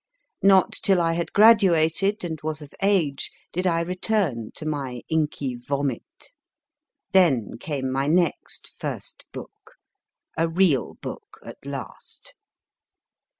Not till I had graduated, and was of age, did I return to my inky vomit. Then came my next first book a real book at last.